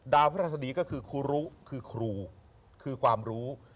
ดาวพระศรีก็คือครูคือความรู้